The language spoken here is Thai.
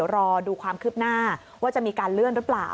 รอดูความคืบหน้าว่าจะมีการเลื่อนหรือเปล่า